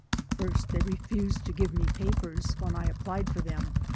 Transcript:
First, they refused to give me papers* when I applied for them.